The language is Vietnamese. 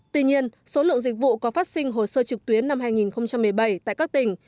tuy nhiên số lượng dịch vụ có phát sinh hồ sơ trực tuyến năm hai nghìn một mươi bảy tại các tỉnh